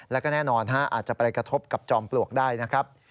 แล้วก็แน่นอนอาจจะไปกระทบกับจอมปลวกได้นะครับ